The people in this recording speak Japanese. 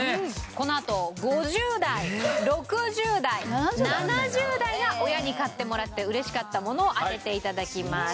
このあと５０代６０代７０代が親に買ってもらって嬉しかったもの当てて頂きます。